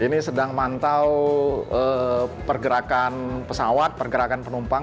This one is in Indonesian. ini sedang mantau pergerakan pesawat pergerakan penumpang